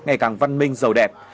ngày càng văn minh giàu đẹp